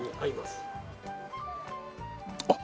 あっ！